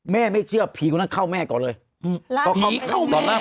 แม่ไม่เชื่อผีคนนั้นเข้าแม่ก่อนเลยหือแล้วผีเข้าแม่ต่อหน้า